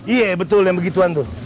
iya betul yang begituan tuh